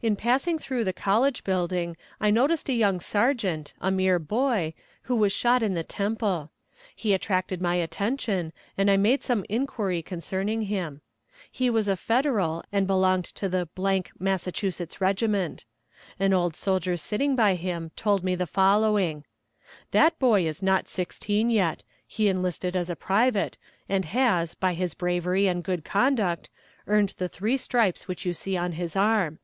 In passing through the college building I noticed a young sergeant, a mere boy, who was shot in the temple. He attracted my attention, and I made some inquiry concerning him. He was a Federal, and belonged to the Massachusetts regiment. An old soldier sitting by him told me the following: "That boy is not sixteen yet; he enlisted as a private, and has, by his bravery and good conduct, earned the three stripes which you see on his arm.